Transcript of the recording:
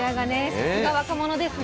さすが若者ですね。